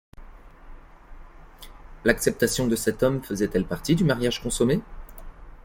L’acceptation de cet homme faisait-elle partie du mariage consommé?